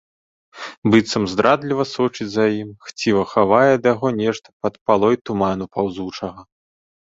Быццам здрадліва сочыць за ім, хціва хавае ад яго нешта пад палой туману паўзучага.